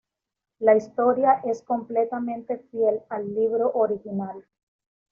La historia es completamente fiel al libro original.